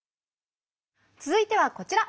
続いてはこちら！